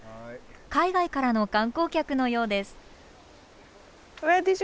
海外からの観光客のようです。